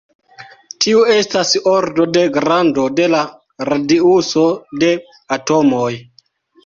Tiu estas ordo de grando de la radiuso de atomoj.